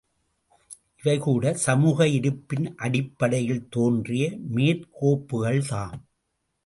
இவை கூட சமூக இருப்பின் அடிப்படையில் தோன்றிய மேற்கோப்புகள்தாம்.